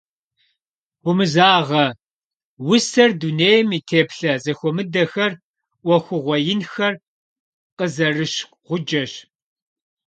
«Гумызагъэ» усэр дунейм и теплъэ зэхуэмыдэхэр, Ӏуэхугъуэ инхэр къызэрыщ гъуджэщ.